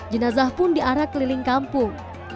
jenazah pun diarak keliling kampung